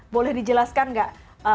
boleh dijelaskan nggak